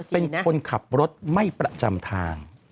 เป็นคนขับรถไม่ประจำทาง